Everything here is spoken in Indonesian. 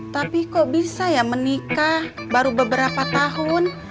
tapi kok bisa ya menikah baru beberapa tahun